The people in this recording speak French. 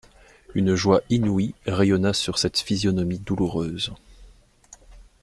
Une joie inouïe rayonna sur cette physionomie douloureuse.